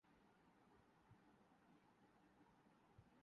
L P G درامد کنندگان کا حکومت سے انکم ٹیکس ختم کرنے کا مطالبہ